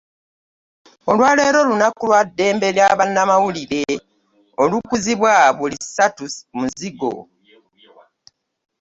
Olwaleero lunaku lwa ddembe ly’abannamawulire olukuzibwa buli ssatu Muzigo.